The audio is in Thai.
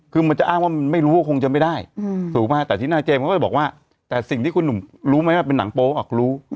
คือมันจะอ้างว่ามันไม่รู้ว่าคงจะไม่ได้ถูกไหมแต่ที่หน้าเจมส์ก็เลยบอกว่าแต่สิ่งที่คุณหนุ่มรู้ไหมว่าเป็นหนังโป๊ออกรู้